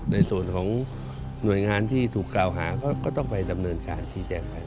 ในส่วนของหน่วยงานที่ถูกกล่าวหาก็ต้องไปดำเนินการชี้แจงไป